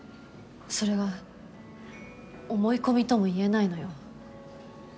それが思い込みとも言えないのよ。